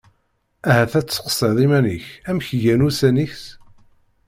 Ahat ad tseqsiḍ iman-ik: Amek gan wussan-is.